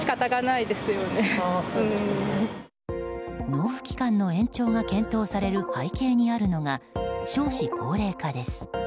納付期間の延長が検討される背景にあるのが少子高齢化です。